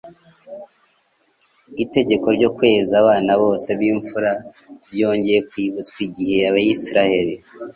Itegeko ryo kweza abana bose b'imfura ryongeye kwibutswa igihe Abisirayeli.